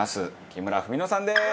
木村文乃さんです！